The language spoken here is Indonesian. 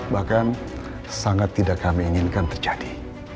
bahkan sangat tidak kami inginkan terjadi